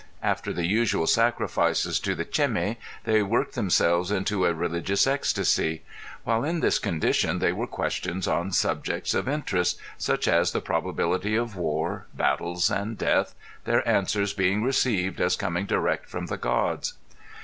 After the usual sacrifices to the Cemi they worked themselves into a religious ecstasy; while in this condition they were questioned on subjects of interest, such as the probability of war, battles and death, their answers being received as coming direct from the Gods.